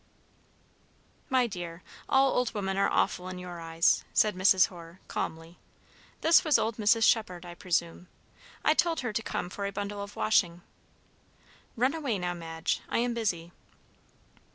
"My dear, all old women are awful in your eyes," said Mrs. Hoare, calmly. "This was old Mrs. Shephard, I presume. I told her to come for a bundle of washing. Run away now, Madge, I am busy."